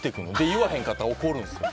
言わへんかったら怒るんです。